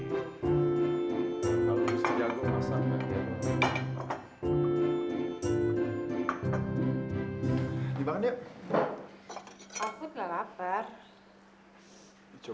cobain aja dulu enak lah